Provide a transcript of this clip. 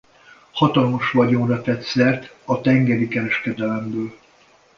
Hatalmas vagyonra tett szert a tengeri kereskedelemből.